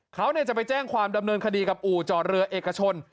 เขาจะไปแจ้งความดำเนินคดีกับอู่จอดเรือเอกชน